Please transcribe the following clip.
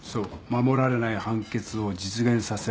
守られない判決を実現させるのが執行です。